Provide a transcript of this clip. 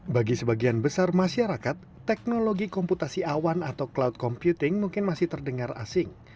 bagi sebagian besar masyarakat teknologi komputasi awan atau cloud computing mungkin masih terdengar asing